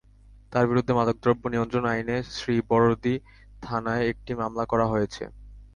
তাঁর বিরুদ্ধে মাদকদ্রব্য নিয়ন্ত্রণ আইনে শ্রীবরদী থানায় একটি মামলা করা হয়েছে।